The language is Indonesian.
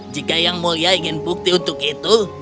jika yang mulia ingin bukti untuk itu